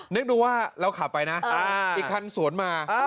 นึกดูว่าเราขับไปนะอีกคันสวนมา